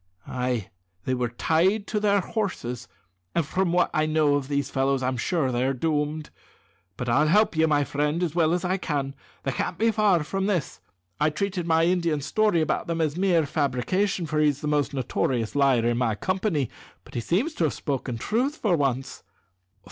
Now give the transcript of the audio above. "Ay. They were tied to their horses, an' from what I know of these fellows I'm sure they're doomed. But I'll help you, my friend, as well as I can. They can't be far from this. I treated my Indian's story about them as a mere fabrication, for he's the most notorious liar in my company; but he seems to have spoken truth for once."